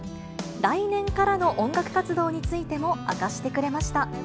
来年からの音楽活動についても明かしてくれました。